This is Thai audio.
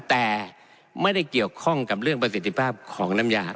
แต่ไม่ได้เกี่ยวข้องกับเรื่องประสิทธิภาพของน้ำยา